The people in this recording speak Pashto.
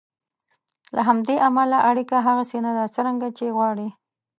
له همدې امله اړیکه هغسې نه ده څرنګه چې یې غواړئ.